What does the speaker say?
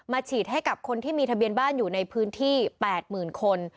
ฉีดให้กับคนที่มีทะเบียนบ้านอยู่ในพื้นที่๘๐๐๐คน